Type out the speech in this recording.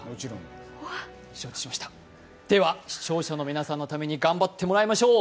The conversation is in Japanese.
では視聴者の皆さんのために頑張ってもらいましょう。